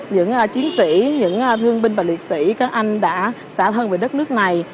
những chiến sĩ những thương binh và liệt sĩ các anh đã xả thân về đất nước này